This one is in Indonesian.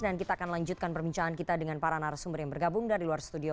dan kita akan lanjutkan perbincangan kita dengan para narasumber yang bergabung dari luar studio